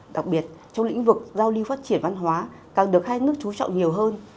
đặc biệt trong lĩnh vực giao lưu phát triển văn hóa càng được hai nước trú trọng nhiều hơn